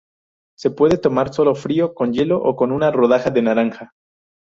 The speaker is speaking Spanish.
Se puede tomar solo, frío, con hielo o con una rodaja de naranja.